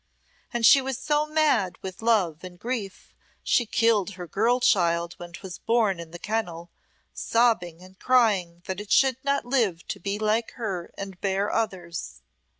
And she was so mad with love and grief she killed her girl child when 'twas born i' the kennel, sobbing and crying that it should not live to be like her and bear others.